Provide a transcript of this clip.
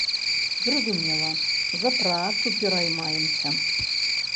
Зразумела, за працу пераймаемся.